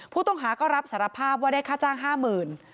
ผู้ต้องหาก็รับสารภาพว่าได้ค่าจ้าง๕๐๐๐บาท